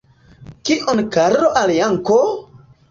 Kion Karlo al Janko?